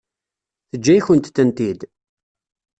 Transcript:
Teǧǧa-yakent-tent-id?